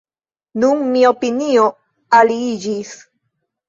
Nun mia opinio aliiĝis.